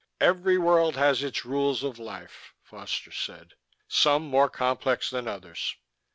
"Every world has its rules of life," Foster said. "Some more complex than others.